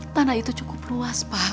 tanah itu cukup ruas pak